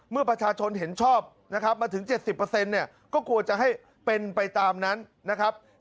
เมื่อประชาชนเห็นชอบนะครับมาถึง๗๐เนี่ยก็ควรจะให้เป็นไปตามนั้นนะครับ